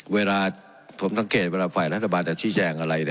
เวลาผมสังเกตเวลาฝ่ายรัฐบาลจะชี้แจงอะไร